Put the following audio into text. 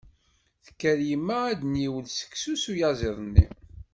Tekker yemma ad d-tniwel seksu s uyaziḍ-nni.